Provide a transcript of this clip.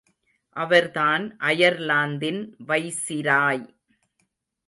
அவர்தான் அயர்லாந்தின் வைசிராய்.